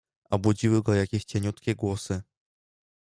Obudziły go jakieś cieniutkie głosy.